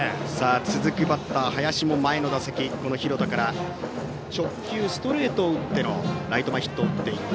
続くバッター、林も前の打席廣田からストレートを打ってのライト前ヒットを打っている。